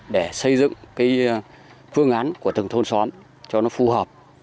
để xây dựng cái phương án của từng thôn xóm cho nó phù hợp